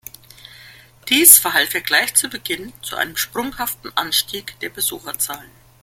Dies verhalf ihr gleich zu Beginn zu einem sprunghaften Anstieg der Besucherzahlen.